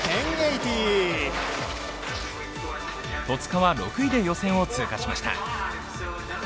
戸塚は６位で予選を通過しました